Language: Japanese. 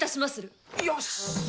よし！